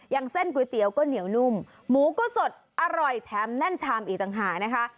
อย่างเส้นก๋วยเตี๋ยวก็เหนียวนุ่มหมูก็สดอร่อยแถมแน่นชามอีกต่างหากนะคะ